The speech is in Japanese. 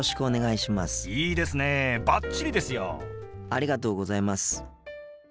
ありがとうございます。